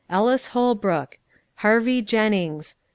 ELLIS HOLBROOK. HARVEY JENNINGS.